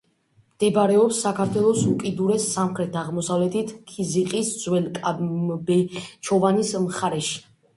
მდებარეობს საქართველოს უკიდურეს სამხრეთ-აღმოსავლეთით, ქიზიყის, ძველი კამბეჩოვანის მხარეში.